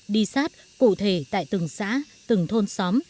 đi sát cụ thể tại từng xã từng thôn xóm